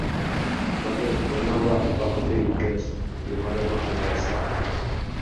Тарих быны ла, ваҡыты еткәс, юғары баһалаясаҡ